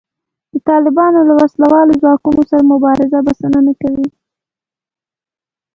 د طالبانو له وسله والو ځواکونو سره مبارزه بسنه نه کوي